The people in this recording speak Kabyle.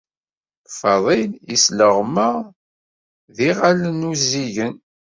Faḍil yesleɣma d yiɣallen uzzigen.